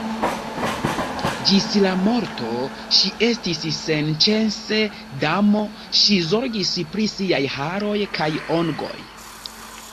Ĝis la morto ŝi estis senĉese damo, ŝi zorgis pri siaj haroj kaj ungoj.